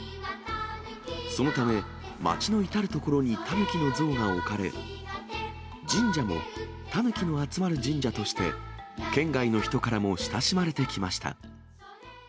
そのため、町の至る所にタヌキの像が置かれ、神社もタヌキの集まる神社として、県外の人からも親しまれてきました。